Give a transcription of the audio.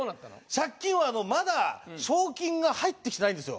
借金はまだ賞金が入ってきてないんですよ